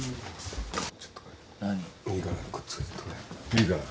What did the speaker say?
いいから。